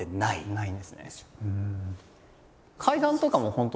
ないんですね。